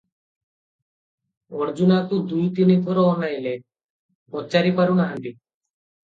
ଅର୍ଜୁନାକୁ ଦୁଇ ତିନି ଥର ଅନାଇଲେ, ପଚାରି ପାରୁ ନାହାନ୍ତି ।